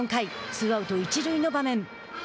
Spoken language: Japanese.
ツーアウト、一塁の場面。